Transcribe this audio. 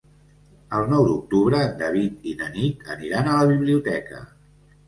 El nou d'octubre en David i na Nit aniran a la biblioteca.